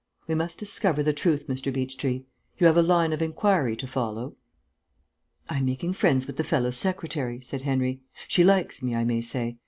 We must discover the truth, Mr. Beechtree. You have a line of inquiry to follow?" "I am making friends with the fellow's secretary," said Henry. "She likes me, I may say.